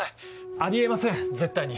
あり得ません絶対に。